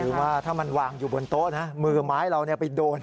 ว่าถ้ามันวางอยู่บนโต๊ะนะมือไม้เราไปโดน